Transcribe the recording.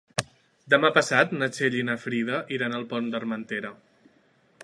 Demà passat na Txell i na Frida iran al Pont d'Armentera.